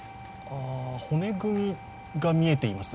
骨組みが見えています。